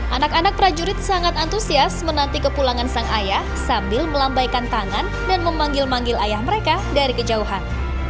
anak anak prajurit sangat antusias menanti kepulangan sang ayah sambil melambaikan tangan dan memanggil manggil ayah mereka dari kejauhan